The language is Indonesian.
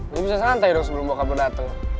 lu bisa santai dong sebelum bokap lu dateng